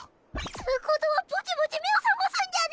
つぅことはぼちぼち目を覚ますんじゃね